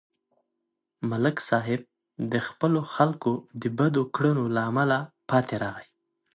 ملک صاحب د خپلو خلکو د بدو کړنو له امله پاتې راغی